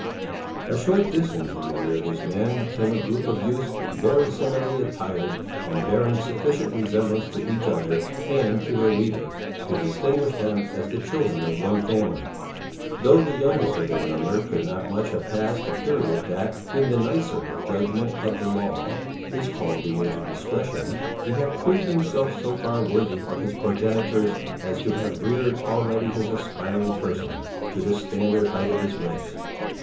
A short distance in the rear of this man, came a group of youths very similarly attired, and bearing sufficient resemblance to each other, and to their leader, to distinguish them as the children of one family. Though the youngest of their number could not much have passed the period, that, in the nicer judgment of the law, is called the age of discretion, he had proved himself so far worthy of his progenitors as to have reared already his aspiring person to the standard height of his race.